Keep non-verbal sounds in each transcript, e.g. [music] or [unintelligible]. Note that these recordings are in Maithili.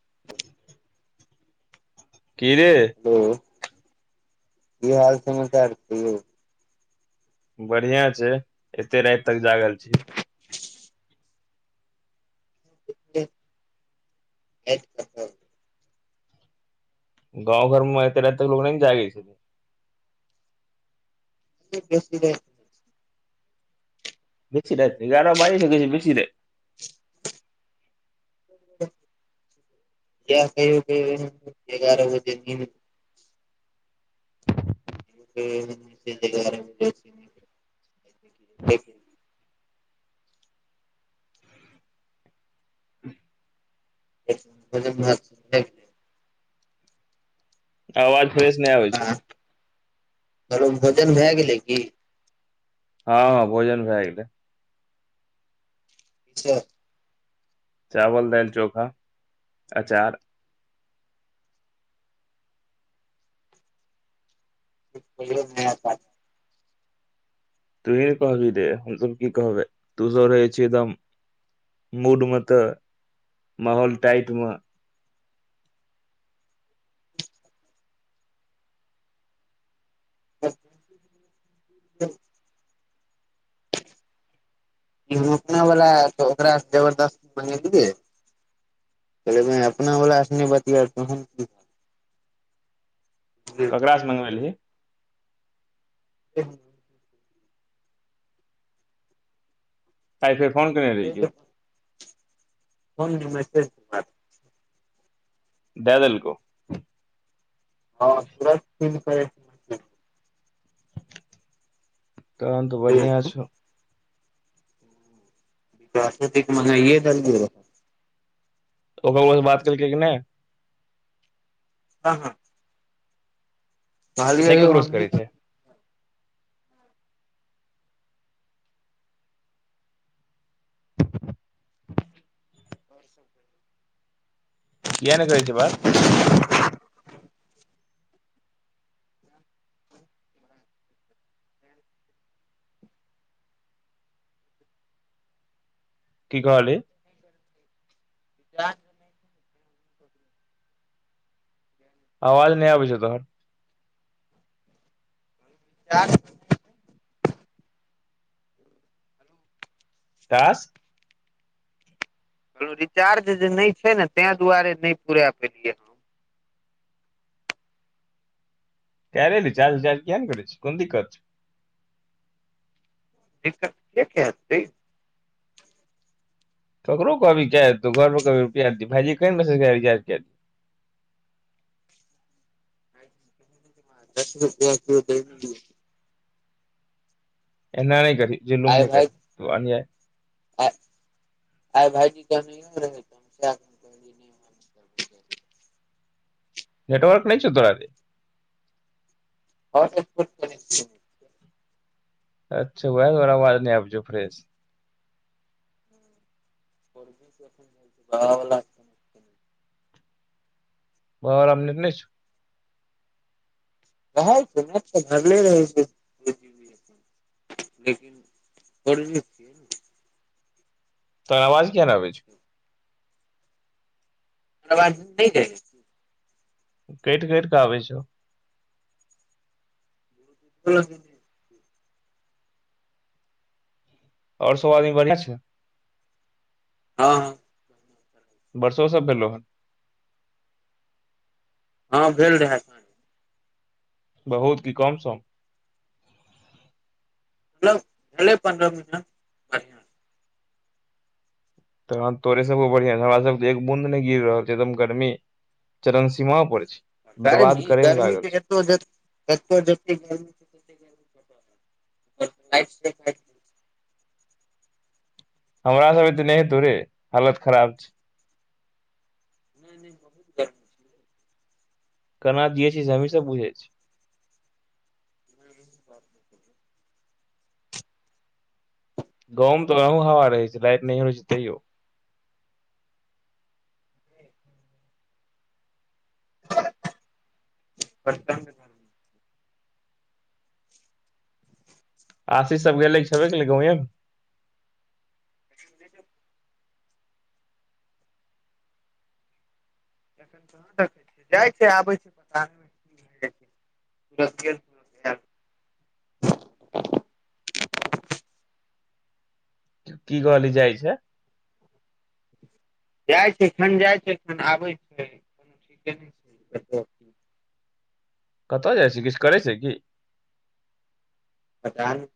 [inaudible] की रे हेलो की हाल समाचार छै बढ़िया छै एते राति तक जागल छी एक क [inaudible] गाँव घर मे एतेक राति तऽ लोक न जागे छै बेसै [inaudible] बेसी रात नहि एगारह बजय छै बेसी रात य कयो कय एगारह बजे न [inaudible] [unintelligible] अवाज फ्रेश नहि आवय छै कहलो भोजन भए गेलै की हँ हँ भोजन भै गेलै प छै [inaudible] चावल दालि चोखा अचार [unintelligible] तोही ने कहबि रे हमसब की कहबै तू सब रहै छै एकदम मूड मे तऽ माहौल टाइट मे ठ [inaudible] [unintelligible] [unintelligible] ओकरा जबरदस्त बनेलियै कहल अपना वला सनी बतियाइ [unintelligible] केकरा सँ मगबेलही [unintelligible] ताइ फेर फोन केने रहिये हनसेज [inaudible] दैय देलको हँ तुरत फ [unintelligible] तहन तऽ बढ़िआँ छौ प्रासृतिक मने य दल रह [unintelligible] ओकर मोबाइल से बात केलकै कि नहि हँ हँ नहि कहलियौ ककरो से हम करै छै [inaudible] कए नहि कहै छै बात [inaudible] की कहली [inaudible] आवाज नहि आबै छै तोहर [unintelligible] विकास रिचार्ज जे नहि छै ने तै दुआरे नहि पूरा पेलिये कैरे बिचार उचार किए नहि करै छि कोन दिक्कत छै दिक्कत [unintelligible] ककरो कहबौ क देतौ घर पर की रार दी भाइजी क दस रुपया [unintelligible] एना नहि करि जुलूम नहि [unintelligible] आ आइ भाईजी कहने रहे [unintelligible] नेटवर्क नहि छै तोरा रे आरे बहंय अच्छा उहै दुआरे अवाज नहि अवय छौ फ्रेश आहान बला बर आम नि नहि छ [inaudible] भ छै भगले रहै छै [unintelligible] लेकिन थोड़ [inaudible] तोहर आवाज किया नहि आवै छौ तकर आवाज नई जाय छौ कैट कैट कऽ आबै छौ [unintelligible] आओर सब आदमी बढ़िया छौ हँ हॅं वर्षा सब भेलोहन हँ भेल रहै बहुत की कम सम [unintelligible] भेले [unintelligible] तहन तोरे सबके बढ़ियां छै हमरा सब के त एक बूँद नहि गिर रहल छै एकदम गर्मी चरण सीमा पर छै बर्बाद गर्मी करे मे गर्मी लागल छै [unintelligible] हमरा सब ए ते नहि तोरे हालत खराब छै नहि नहि म [inaudible] केना जियय छी से हमही सब बुझै छीयय बात नहि करै [inaudible] गाउमे तऽ ओनाहू हवा रहैत छै लाइट नहि हो रहै छै तैयो [inaudible] [unintelligible] आशीश सब गेले छबे केले गावेमे [inaudible] एखन कहाँ देखै छै जाइ छै आबै छै पता [unintelligible] अ [inaudible] कि कहली जाइ छै जाइ छै एखन जाइत छै खन आबै छै कोनो ठीके नहि छै ए कतऽ जाइ छै किछ करै छै कि पता नहि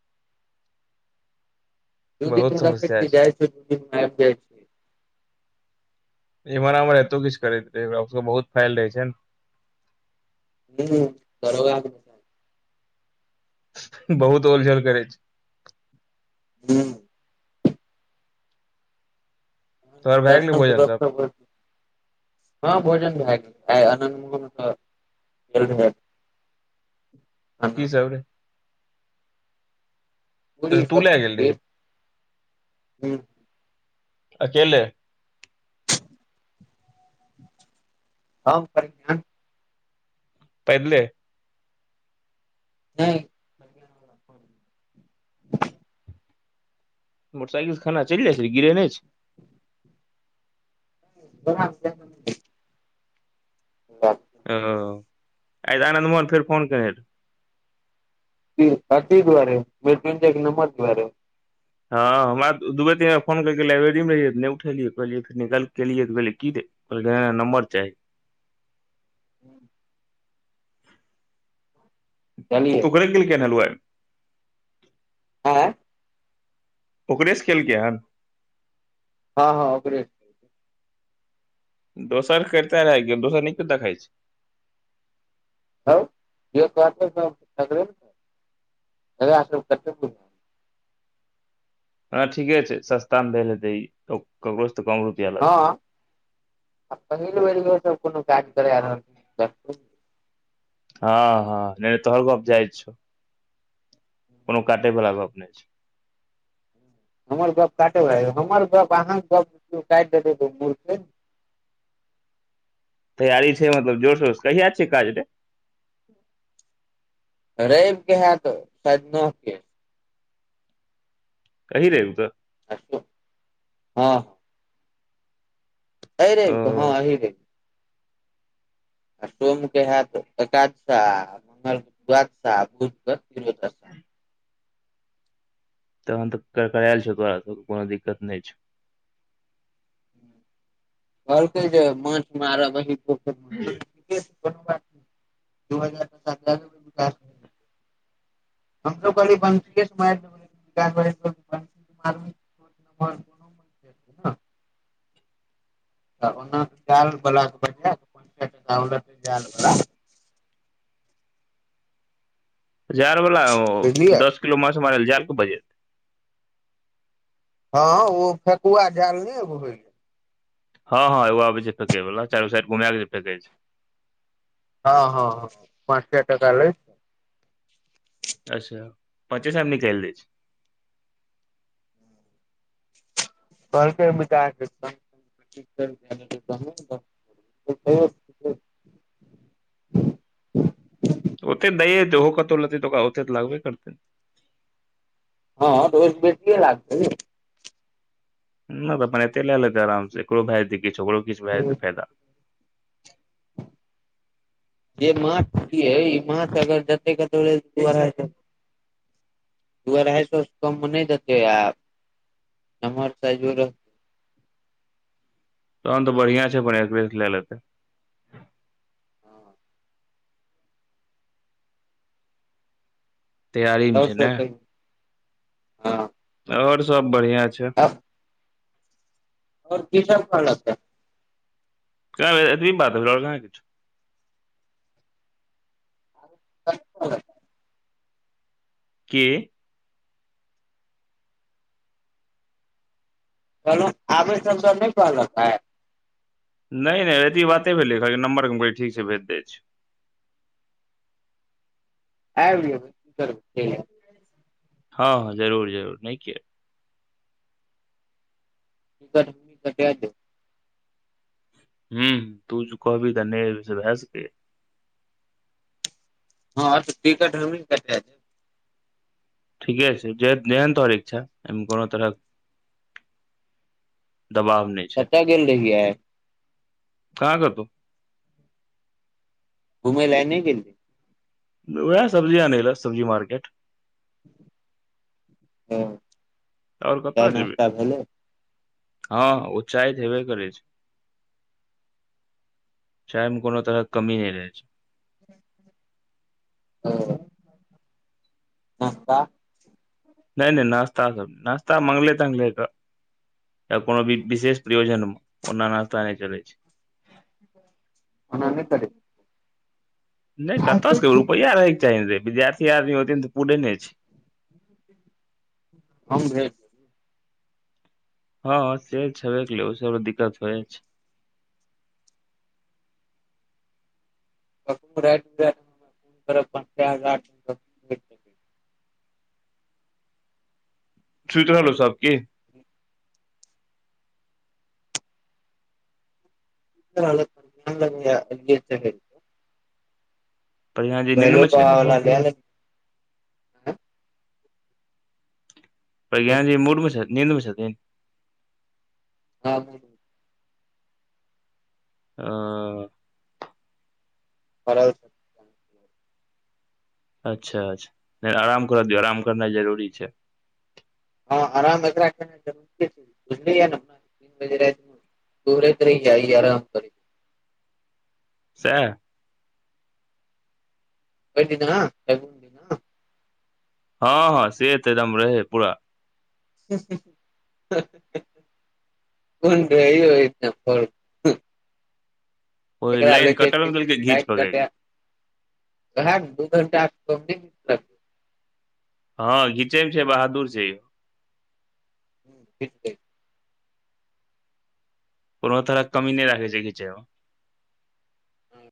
दू बहुत दिनमे समस्या मे जाइ छै दू दिनमे आबि जाइ छै एमहर आमहर एतो किछु करैत रह सब बहुत फैल रहै छै ने हु दरोगा बहुत ओल झोल करै छै हू तोहर भए गेलै भोजन सब [unintelligible] हँ भोजन भए गेलै आय अन [unintelligible] की सब पूरी बस तू ल‌ए सब्जी गेल रही खीर हूँ अकेले [unintelligible] पैदले ह्म [unintelligible] मोटरसइकिल खान चल जा छै गिरे नहि [unintelligible] [unintelligible] ओ आइ तऽ आनन्द मोहन फेर फोन कने रह अथी द्वारेट नंबर द्वारे हँ हमरा दूए दिनमे फोन लाइब्रेरी मे रहियै नहि उठेलियै कहलै फेरिकलेलियै त कहलियै कि दे कहलके ने न नम्बर चाही ह्म च वं आँय ओकरेसँ केलकै हन हँ हँ ओकरे दोसर करता रहै दोसर नीक देखाइ छै ह क हँ ठीके छै सस्ता में भेल हेते इ ककरो सँ त कम रुपआ लगतै हँ पहिल बेर इहो सब कोनो काज करा रहल हँ हँ नहि त तोहर गप जाइज छो कोनो काटे बला गप न छै हमर गप्प काटे हमर गप अहाँके गप काटि देतै त बुझतै तैयारी छै मतलब जोर शोर कहिया छियै काज रे रविक के हयत सायद नके ऋवहि नहि उ तऽ धं एहि रहे हँ ओ ई रहे आ सोम के हयत एकादशा मंगल द्वादशा बुध के तरशा तहन त करकरायल छौ तोरा कोनो दिक्कत नहि छै हलकेै छै मछ मार प द हजार सात हमसो कही बंेार [unintelligible] तऽ ओना तऽ जाल बलाके बज पच टका लै जाल बला जार बला हो बुझलियै दस किलो माछ मारै ल झार के बजे हँ ओ फेकुआ झाल नहि एगो होइ गेल हँ हँं ओो आब छै फेक वला चार गो साइड घुम के फेक छै हँ हँ हँ पाँच हार टक लै अच्छा पच्चेसामी खेल दै छै कहलक ओते दै देते ओहो कतो लतै त ओकरा ओते लागबे करतै हँ त ओहिसँ बेसिये लागतै नहि तऽ अपन एतेक लऽ लेतै आरामसँ, एकरो भऽ जेतै, किछु ओकरो किछु भऽ जेतै, फायदा। जे माछ छै, ई माछ अगर जतऽ कतऽ रहै, दू-अढ़ाईसँ। दू-अढ़ाइ सए सँ कममे नहि देतै, आब नमहरसँ। तहन तऽ बढ़ियां छै, अपन एक बे लए लेतै। हँ। तैयरीमे छै, ने। सब कहियौ आओर सभ बढ़िया छै। ह। आओर की सभ खाना छै। अरे इतबी पट्ट भेलो नै क। कि। कहलहु आबै सभ द नहि कहलक है। नहि नहि इतबी बाते भेलै कहलक नम्बर ठीक छै, भेज दै छै। आइब करब हँ, हँ, जरूर जरूर नहि क। कि कट दे हु, तू जे कहबी त नहि अबी से भए सकै हँ तऽ तिकट हम्ही कै छै। ठीके छै, जे जेहन तोर इच्छा कोनो तरह। दबाव नहि। कतय गेल रहियै? कहा कटो घुमै लए आय नहि गेलिए। ओएह सब्जी आने ले सब्जी मार्केट हँ। आओर कतऽ जेबै हँ उच्चाहित हेबे करै छै। चैनमे कोनो तरहक कमी नहि रहै छै ओ नास्ता? नहि नहि नाश्ता सभ नाश्ता मगले तगले कऽ। या कोनो भी विशेष प्रयोजनमे ओना नास्ता नहि चलै छै। मना नहि चले नहि, कतऽसँ करबे? रुपैया रहैके चाही रे, विद्यार्थी आदि होइ तऽ पूरा नहि छै। हम भी हँ से छै कले सभके दिक्कत होइ [unintelligible] सूत रहलो सभकि [unintelligible] प्रज्ञान जी नींद भैलो मे बाबा छथि वाला लाए ले भैया मूडमे छथि नींदमे छथिन ह। आ। ह [unintelligible] अ। अच्छा, अच्छा आराम करऽ दियौ आराम करनाइ जरूरी छै। हँ आराम [inaudible] कुहैरत रेह जाइ आराम कर सह। [inaudible] [unintelligible] हँ, हँ, से तऽ एकदम रहे पूरा कोन रहना फ [unintelligible] ओहि एकरा लाइन ले कटल मे देलकै घीच लाइट पकड़ि कटै भ दू घंटा आ कम द हँ घिचे मे छै बहादुर छै यौ ह कि [unintelligible] कोनो तरह कमी नहि राखै छै घीचए